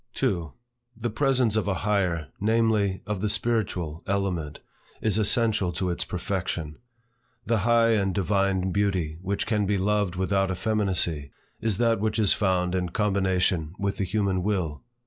2. The presence of a higher, namely, of the spiritual element is essential to its perfection. The high and divine beauty which can be loved without effeminacy, is that which is found in combination with the human will.